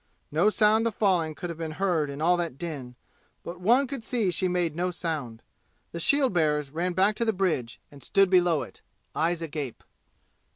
No sound of falling could have been heard in all that din, but one could see she made no sound. The shield bearers ran back to the bridge and stood below it, eyes agape.